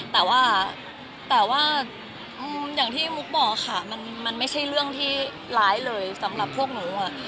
แต่ว่าแต่ว่าอย่างที่มุกบอกค่ะมันไม่ใช่เรื่องที่ร้ายเลยสำหรับพวกหนู